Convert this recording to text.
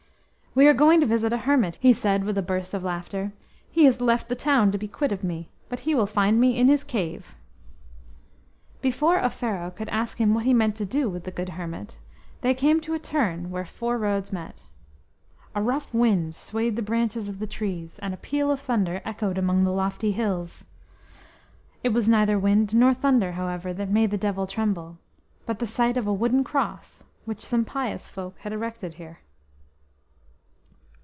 "We are going to visit a hermit," he said with a burst of laughter. "He has left the town to be quit of me, but he will find me in his cave!" Before Offero could ask of him what he meant to do with the good hermit, they came to a turn where four roads met. A rough wind swayed the branches of the trees, and a peal of thunder echoed among the lofty hills. It was neither wind nor thunder, however, that made the Devil tremble, but the sight of a wooden cross which some pious folk had erected here.